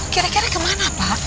kira kira kemana pak